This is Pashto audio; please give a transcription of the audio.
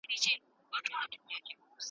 ښوونکي صاحب، مهرباني وکړئ زموږ پاڼه وړاندي کړئ.